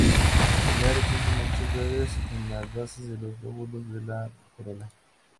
En general, existen manchas verdes en las bases de los lóbulos de la corola.